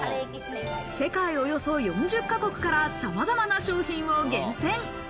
世界およそ４０ヶ国から様々な商品を厳選。